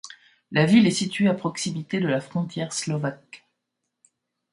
La ville est située à proximité de la frontière slovaque.